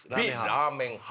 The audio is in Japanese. ラーメン派。